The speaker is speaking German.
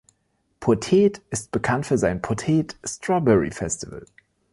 Poteet ist bekannt für sein „Poteet Strawberry Festival“.